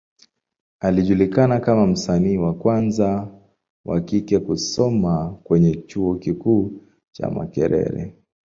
Alijulikana kama msanii wa kwanza wa kike kusoma kwenye Chuo kikuu cha Makerere.